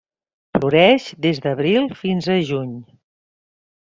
Floreix des d'abril fins a juny.